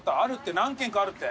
何軒かあるって。